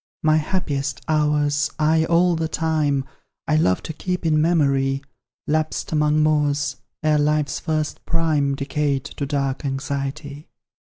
My happiest hours, aye! all the time, I love to keep in memory, Lapsed among moors, ere life's first prime Decayed to dark anxiety.